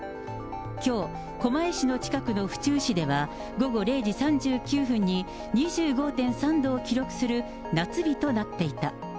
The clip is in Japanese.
きょう、狛江市の近くの府中市では、午後０時３９分に、２５．３度を記録する夏日となっていた。